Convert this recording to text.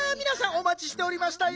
おまちしておりましたよ。